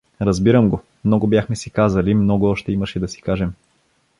Разбирам го: много бяхме си казали, много още имаше да си кажем.